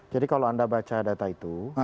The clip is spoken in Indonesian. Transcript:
jadi kalau anda baca data itu